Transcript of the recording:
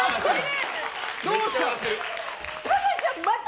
どうした？